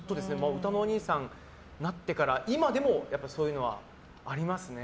うたのおにいさんになってから今でも、そういうのはありますね。